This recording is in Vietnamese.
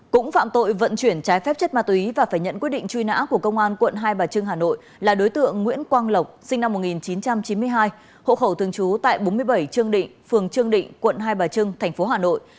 cũng phạm tội vận chuyển trái phép chất ma túy và phải nhận quyết định truy nã của công an quận hai bà trưng hà nội là đối tượng nguyễn quang lộc sinh năm một nghìn chín trăm chín mươi hai hộ khẩu thường trú tại bốn mươi bảy trương định phường trương định quận hai bà trưng tp hà nội